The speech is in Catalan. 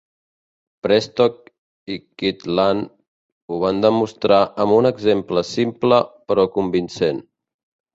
Prescott i Kydland ho van demostrar amb un exemple simple però convincent.